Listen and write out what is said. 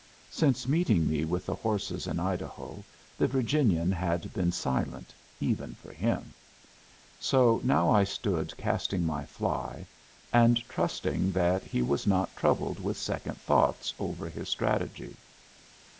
Since meeting me with the horses in Idaho the Virginian had been silent, even for him. So now I stood casting my fly, and trusting that he was not troubled with second thoughts over his strategy.